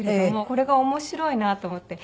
これが面白いなと思って。